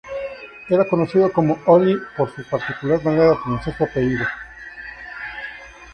Era conocido como "Ollie" por su particular manera de pronunciar su apellido.